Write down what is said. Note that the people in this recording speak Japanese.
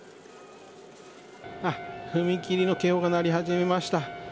踏切の警報が鳴り始めました。